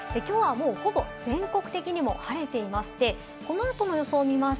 きょうはもうほぼ、全国的にも晴れていまして、この後の予想を見ます。